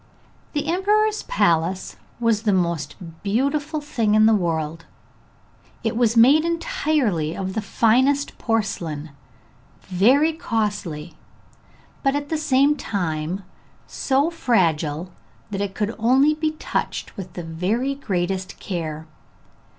The emperor's palace was the most beautiful thing in the world; it was made entirely of the finest porcelain, very costly, but at the same time so fragile that it could only be touched with the very greatest care.